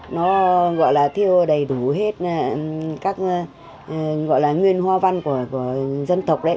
nó gọi là thiêu đầy đủ hết các gọi là nguyên hoa văn của dân tộc đấy